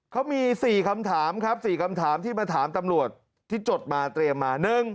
เขามี๔คำถามครับ๔คำถามที่มาถามตำรวจที่จดมาเตรียมมา